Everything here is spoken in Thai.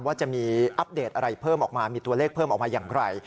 ว่าจะมีอัปเดตอะไรเพิ่มออกมามีตัวเลขเพิ่มออกมาอย่างไร